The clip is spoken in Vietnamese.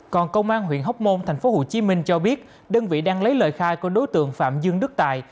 còn công an huyện hóc môn tp hcm cho biết đơn vị đang lấy lời khai của đối tượng phạm dương đức tài